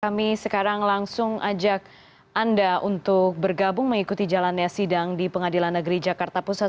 kami sekarang langsung ajak anda untuk bergabung mengikuti jalannya sidang di pengadilan negeri jakarta pusat